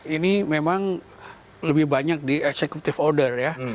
ini memang lebih banyak di executive order ya